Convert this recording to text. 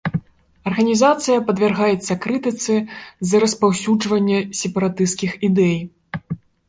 Арганізацыя падвяргаецца крытыцы з-за распаўсюджвання сепаратысцкіх ідэй.